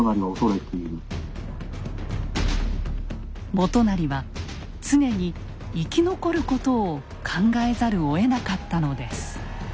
元就は常に生き残ることを考えざるをえなかったのです。